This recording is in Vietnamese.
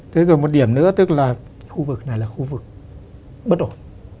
thế rồi một điểm nữa tức là khu vực này là khu vực bất ổn